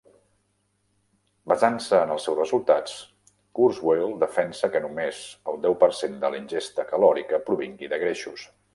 Basant-se en els seus resultats, Kurzweil defensa que només el deu per cent de la ingesta calòrica provingui de greixos.